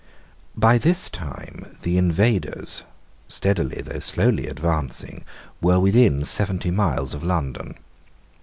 By this time the invaders, steadily though slowly advancing, were within seventy miles of London.